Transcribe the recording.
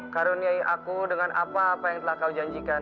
karuniai aku dengan apa apa yang telah kau janjikan